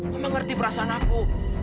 mama ngerti perasaan aku